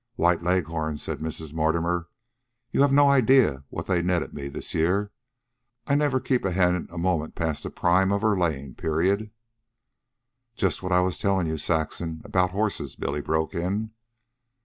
"White Leghorns," said Mrs. Mortimer. "You have no idea what they netted me this year. I never keep a hen a moment past the prime of her laying period " "Just what I was tellin' you, Saxon, about horses," Billy broke in.